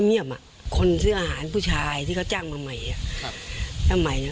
เงียบอ่ะคนซื้ออาหารผู้ชายที่เขาจ้างมาใหม่ครับถ้าใหม่